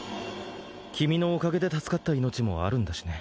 君のおかげで助かった命もあるんだしね